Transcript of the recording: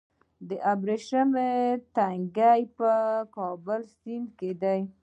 د ابریشم تنګی په کابل سیند کې دی